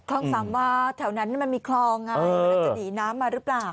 สามวาแถวนั้นมันมีคลองไงแล้วจะหนีน้ำมาหรือเปล่า